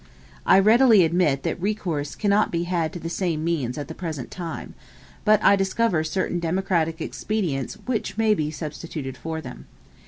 I readily admit that recourse cannot be had to the same means at the present time: but I discover certain democratic expedients which may be substituted for them.